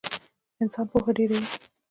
انسان پوهه ډېروي